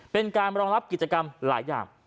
เป็นการรองรับกิจกรรมหลายอย่าง